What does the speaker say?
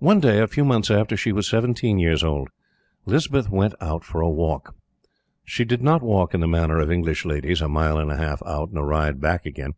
One day, a few months after she was seventeen years old, Lispeth went out for a walk. She did not walk in the manner of English ladies a mile and a half out, and a ride back again.